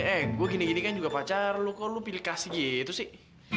eh gue gini gini kan juga pacar lu kok lu pilih kasih gitu sih